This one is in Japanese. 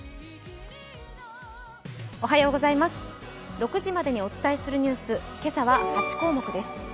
６時までにお伝えするニュース、今朝は８項目です。